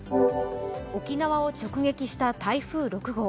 沖縄を直撃した台風６号。